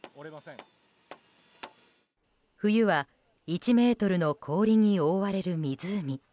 冬は１ｍの氷に覆われる湖。